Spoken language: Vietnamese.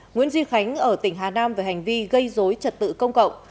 nguyễn duy khánh ở tỉnh hà nam về hành vi gây dối trật tự công cộng